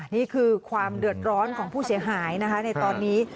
นี่คือความเดือดร้อนของผู้เสียหายนะคะในตอนนี้